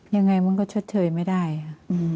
ยังไงมันก็ชดเชยไม่ได้ค่ะ